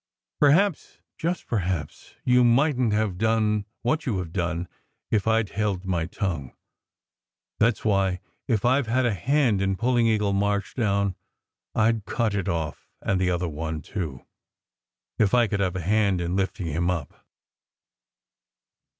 Perhaps just perhaps you mightn t have done what you have done if I d held my tongue. That s why, if I ve had a hand in pulling Eagle March down, I d cut it off, and the other one, too, if I could have a hand in lifting him up."